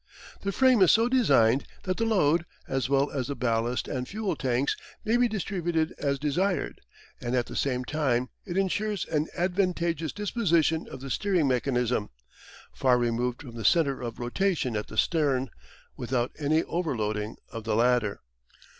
The frame is so designed that the load, as well as the ballast and fuel tanks, may be distributed as desired, and at the same time it ensures an advantageous disposition of the steering mechanism, far removed from the centre of rotation at the stern, without any overloading of the latter.